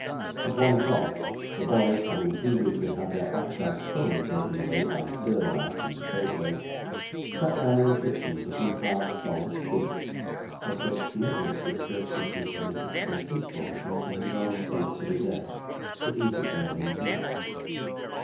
At one o'clock, the boys, having previously had their appetites thoroughly taken away by stir about and potatoes, sat down in the kitchen to some hard salt beef, of which Nicholas was graciously permitted to take his portion to his own solitary desk, to eat it there in peace.